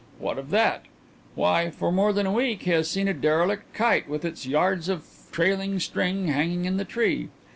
What of that? Why, for more than a week he has seen a derelict kite with its yards of trailing string hanging in the tree.